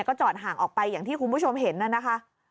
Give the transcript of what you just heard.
ก็จอดห่างออกไปอย่างที่คุณผู้ชมเห็นน่ะนะคะ